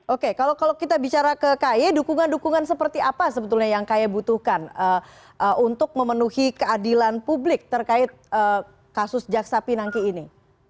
oke kalau kita bicara ke ky dukungan dukungan seperti apa yang sebetulnya ky butuhkan untuk memenuhi keadilan publik terkait kasus jaksapinangki ini